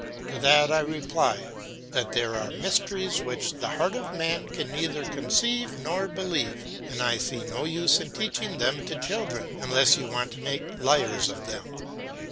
To that I reply, that there are mysteries which the heart of man can neither conceive nor believe, and I see no use in teaching them to children, unless you want to make liars of them.